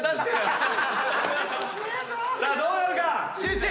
さあどうなるか⁉集中！